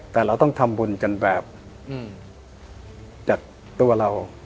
แต่เราต้องทำบุญกันแบบจากตัวเรา